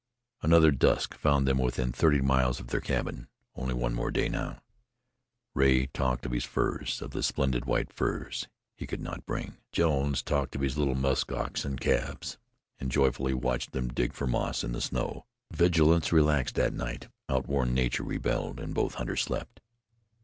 Another dusk found them within thirty miles of their cabin. Only one more day now. Rea talked of his furs, of the splendid white furs he could not bring. Jones talked of his little musk oxen calves and joyfully watched them dig for moss in the snow. Vigilance relaxed that night. Outworn nature rebelled, and both hunters slept.